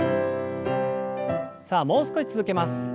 さあもう少し続けます。